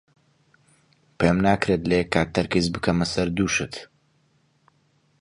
پێم ناکرێت لە یەک کات تەرکیز بخەمە سەر دوو شت.